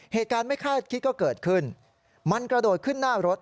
เหตุการณ์ไม่คาดคิดก็เกิดขึ้นมันกระโดดขึ้นหน้ารถ